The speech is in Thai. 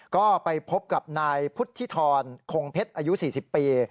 ก็ไปพบกับนายพุทธิธรคงเพชรอายุ๔๐ปี